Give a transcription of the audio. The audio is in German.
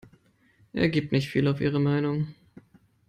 Er gibt nicht viel auf ihre Meinung.